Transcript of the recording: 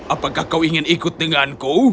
apakah kau ingin ikut denganku